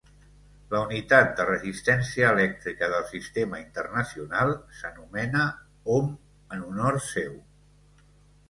La unitat de resistència elèctrica del Sistema Internacional s'anomena ohm en honor seu.